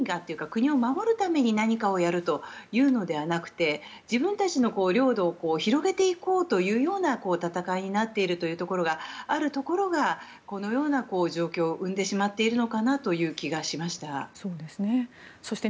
国を守るために何かをやるというのではなくて自分たちの領土を広げていこうという戦いになっているところがあるところがこのような状況を生んでしまっている気がしました。